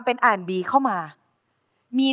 โปรดติดตามต่อไป